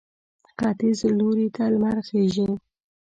ختیځ لوري ته لمر خېژي.